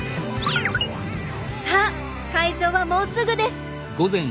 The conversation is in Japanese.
さあ会場はもうすぐです。